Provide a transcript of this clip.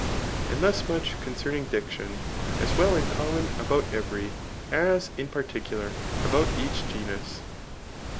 And thus much concerning diction, as well in common about every, as in particular about each genus.